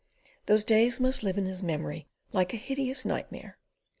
Those days must live in his memory like a hideous nightmare!